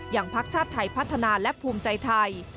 พักชาติไทยพัฒนาและภูมิใจไทย